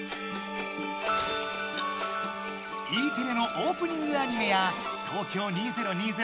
Ｅテレのオープニングアニメや東京２０２０